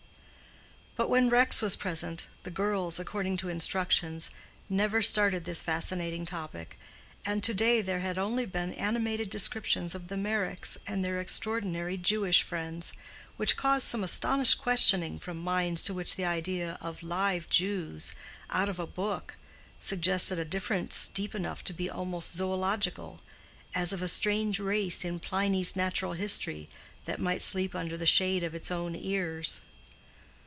But when Rex was present, the girls, according to instructions, never started this fascinating topic, and to day there had only been animated descriptions of the Meyricks and their extraordinary Jewish friends, which caused some astonished questioning from minds to which the idea of live Jews, out of a book, suggested a difference deep enough to be almost zoological, as of a strange race in Pliny's Natural History that might sleep under the shade of its own ears.